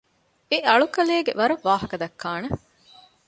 އެ އަޅުކަލޭގެ ވަރަށް ވާހަކަ ދައްކާނެ